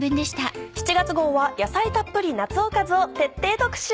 ７月号は「野菜たっぷり夏おかず」を徹底特集。